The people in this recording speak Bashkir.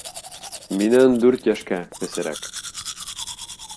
Минән дүрт йәшкә кесерәк...